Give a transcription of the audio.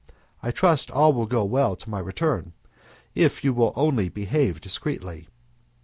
I trust all will go well till my return, if you will only behave discreetly.